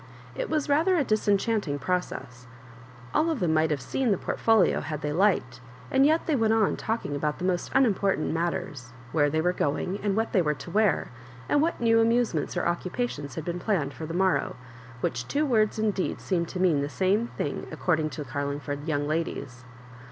It was rather a disenchanting pro cess. All of them might have seen the port folio had they liked, and yet they went on talking about the most unimportant matters ;—*• where they were going, and what they were to wear, a.nd"what new amusements or occupations had been planned for the morrow — which two words indeed seem to mean the same thing ac cording to the Garlingford young ladies.